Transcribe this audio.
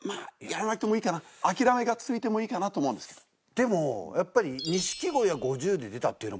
でもやっぱり。